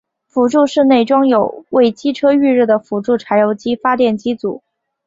辅助室内装有为机车预热的辅助柴油机发电机组。